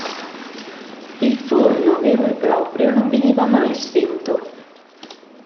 Il "forno" vero e proprio non veniva mai spento.